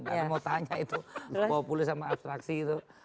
karena mau tanya itu populis sama abstraksi itu